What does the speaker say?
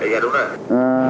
dạ đúng rồi